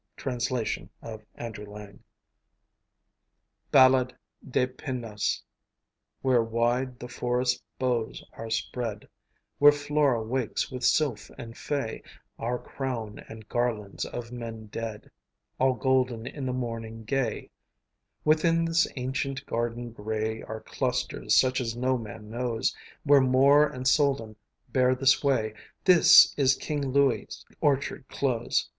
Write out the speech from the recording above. Translation of Andrew Lang. BALLADE DES PENDUS Where wide the forest bows are spread, Where Flora wakes with sylph and fay, Are crowns and garlands of men dead, All golden in the morning gay; Within this ancient garden gray Are clusters such as no man knows, Where Moor and Soldan bear the sway: This is King Louis's orchard close!